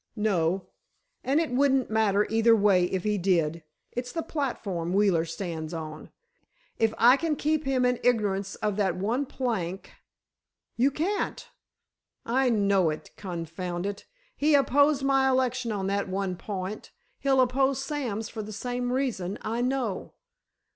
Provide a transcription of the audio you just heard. "No; and it wouldn't matter either way if he did. It's the platform Wheeler stands on. If I can keep him in ignorance of that one plank——" "You can't." "I know it—confound it! He opposed my election on that one point—he'll oppose Sam's for the same reason, I know."